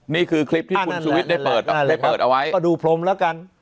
นี่คือคลิปที่คุณชูวิทย์ได้เปิดได้เปิดเอาไว้ก็ดูพรมแล้วกัน